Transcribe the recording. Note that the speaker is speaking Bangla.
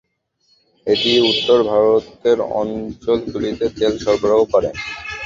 এটি উত্তর ভারতের অঞ্চল গুলিতে তেল সরবরাহ করে।